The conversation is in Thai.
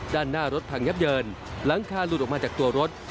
ด้านหน้ารถพังยับเยินหลังคาหลุดออกมาจากตัวรถ